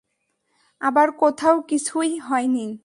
আবার কোথাও কিছুই হয়নি।